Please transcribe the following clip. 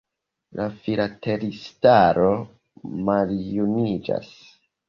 La filatelistaro maljuniĝas.